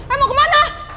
eh mau kemana